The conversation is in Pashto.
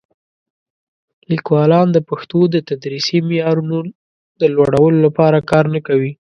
لیکوالان د پښتو د تدریسي معیارونو د لوړولو لپاره کار نه کوي.